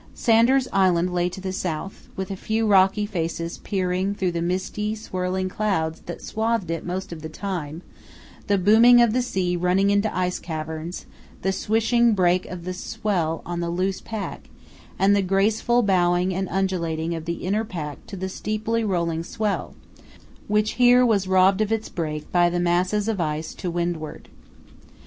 Sanders Island lay to the south, with a few rocky faces peering through the misty, swirling clouds that swathed it most of the time, the booming of the sea running into ice caverns, the swishing break of the swell on the loose pack, and the graceful bowing and undulating of the inner pack to the steeply rolling swell, which here was robbed of its break by the masses of ice to windward.